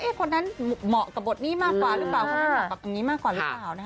คนนั้นเหมาะกับบทนี้มากกว่าหรือเปล่าคนนั้นเหมาะกับอย่างนี้มากกว่าหรือเปล่านะคะ